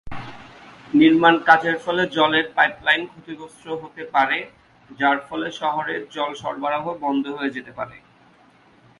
নির্মাণ কাজের ফলে জলের পাইপলাইন ক্ষতিগ্রস্ত হতে পারে, যার ফলে শহরের জল সরবরাহ বন্ধ হয়ে যেতে পারে।